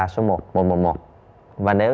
số một một trăm một mươi một và nếu